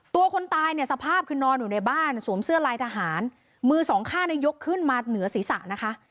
ตัวคนตายสภาพคืนนอนอยู่ในบ้านสวมเสื้อรายทหารมือ๒ค่ายกขึ้นมาเหนือศีรษะนะคะ